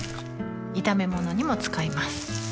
炒め物にも使います